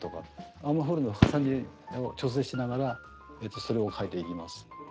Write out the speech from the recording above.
アームホールの深さを調整しながらそれをかえていきます。